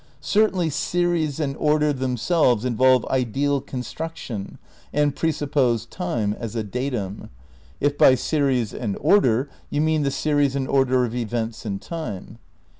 Certainly '' series and order themselves involve ideal construction and presuppose time as a datum," if by series and order you mean the series and order of events in time.